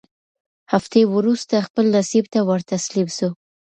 هفتې وورسته خپل نصیب ته ورتسلیم سو